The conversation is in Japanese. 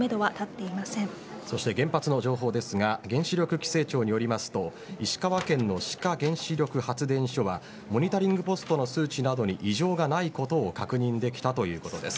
そして原発の情報ですが原子力規制庁によりますと石川県の志賀原子力発電所はモニタリングポストの数値などに異常がないことを確認できたということです。